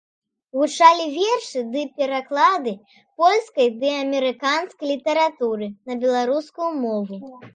Гучалі вершы ды пераклады польскай ды амерыканскай літаратуры на беларускую мову.